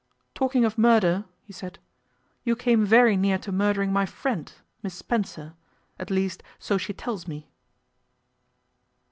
'Talking of murder,' he said, 'you came very near to murdering my friend, Miss Spencer. At least, so she tells me.